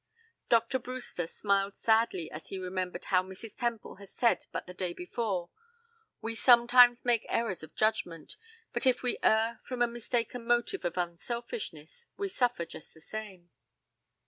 Dr. Brewster smiled sadly as he remembered how Mrs. Temple had said but the day before: "We sometimes make errors of judgment, but if we err from a mistaken motive of unselfishness, we suffer just the same."